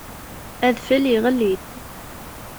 Adfel iɣelli-d.